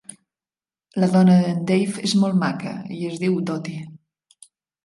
La dona d'en Dave és molt maca i es diu Dottie.